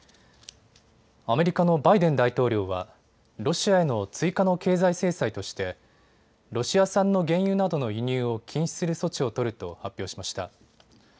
アメリカのバイデン大統領はロシアへの追加の経済制裁としてロシア産の原油などの輸入を禁止する措置を取ると発表しました。